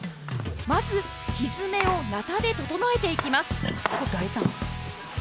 まず、ひづめをなたで整えていきます。